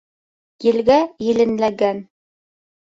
Елгә еленләгән